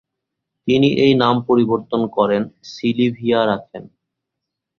তিনি এই নাম পরিবর্তন করেন সিলিভিয়া রাখেন।